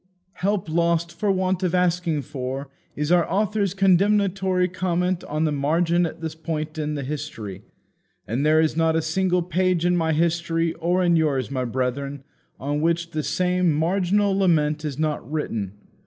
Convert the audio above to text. "Help lost for want of asking for," is our author's condemnatory comment on the margin at this point in the history. And there is not a single page in my history, or in yours, my brethren, on which the same marginal lament is not written.